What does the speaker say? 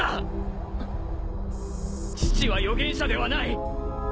父は予言者ではない！